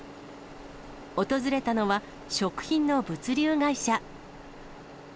訪れたのは、食品の物流会社。